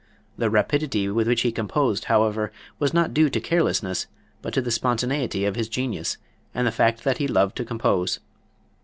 The rapidity with which he composed, however, was not due to carelessness, but to the spontaneity of his genius and the fact that he loved to compose.